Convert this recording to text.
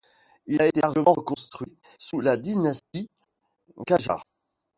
Il a été largement reconstruit sous la dynastie qadjare.